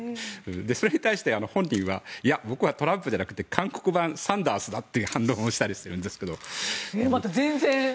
それに対して、本人は僕はトランプじゃなくて韓国版サンダースだと反論をしたりして。